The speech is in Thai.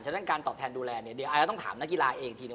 ฉะนั้นการตอบแทนดูแลเนี่ยเดี๋ยวไอเราต้องถามนักกีฬาเองทีน